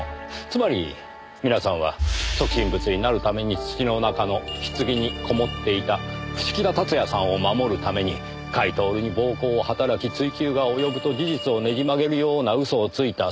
つまり皆さんは即身仏になるために土の中の棺にこもっていた伏木田辰也さんを守るために甲斐享に暴行を働き追及が及ぶと事実をねじ曲げるような嘘をついた。